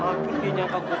marah kaut dia nyangka shown